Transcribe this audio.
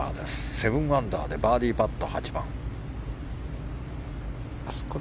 ７アンダーでバーディーパット。